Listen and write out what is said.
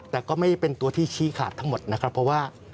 แต่ก็ไม่ได้เป็นตัวที่ชี้ขาดทั้งหมดนะครับเพราะว่า